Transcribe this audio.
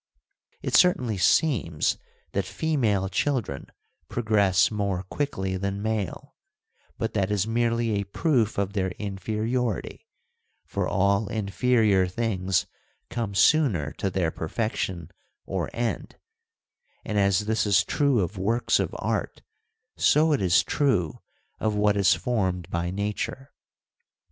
It certainly seems that female children progress more quickly than male, but that is merely a proof of their inferiority ; for all inferior things come sooner to their perfection or end, and as this is true of works of art so it is true of what is formed by nature.